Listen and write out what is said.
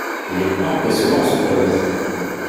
Il est impressionnant ce pont-levis.